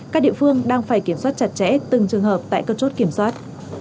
các địa phương đang phải kiểm soát chặt chẽ từng trường hợp tại các chốt kiểm soát